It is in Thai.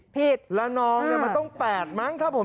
ผิดแล้วน้องมันต้อง๘มั้งครับผม